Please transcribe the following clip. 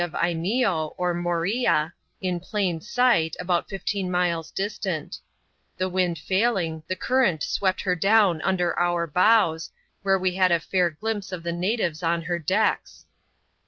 of Imeeo, or Moreea, in plain sight, about fifteen miles distant The wind failing, the current swept her down under our bows, where we had a fair glimpse of the natives on her decks.